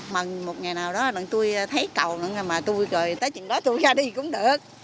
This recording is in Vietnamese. mà một ngày nào đó tôi thấy cầu mà tôi cười tới chuyện đó tôi ra đi cũng được